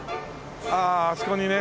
あああそこにね